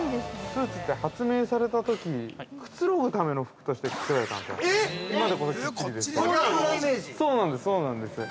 ◆スーツって発明されたとき、くつろぐための服として作られたんですよ。